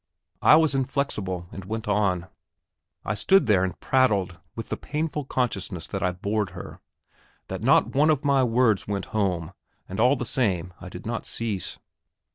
I was inflexible, and went on. I stood there and prattled, with the painful consciousness that I bored her, that not one of my words went home, and all the same I did not cease.